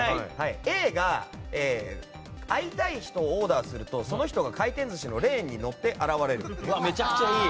Ａが会いたい人をオーダーするとその人が回転寿司のレーンに乗って現れる。